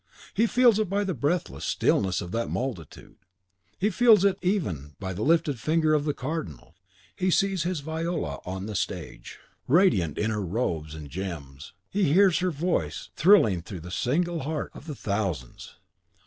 He feels it by the breathless stillness of that multitude; he feels it even by the lifted finger of the Cardinal. He sees his Viola on the stage, radiant in her robes and gems, he hears her voice thrilling through the single heart of the thousands!